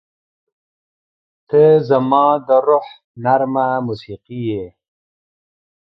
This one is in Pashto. • ته زما د روح نرمه موسیقي یې.